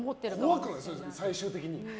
最終的に。